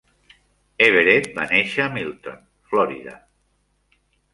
Everett va néixer a Milton (Florida).